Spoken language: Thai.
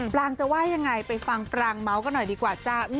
ปรางจะว่ายังไงไปฟังปรางเมาส์กันหน่อยดีกว่าจ้า